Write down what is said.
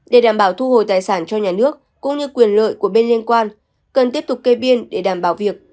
để đảm bảo thu hồi tài sản cho nhà nước cũng như quyền lợi của bên liên quan cần tiếp tục kê biên để đảm bảo việc